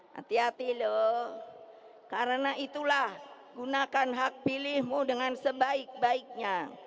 hati hati loh karena itulah gunakan hak pilihmu dengan sebaik baiknya